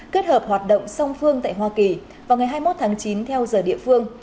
kết hợp hoạt động song phương tại hoa kỳ vào ngày hai mươi một tháng chín theo giờ địa phương